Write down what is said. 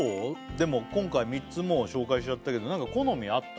でも今回３つもう紹介しちゃったけど何か好みあった？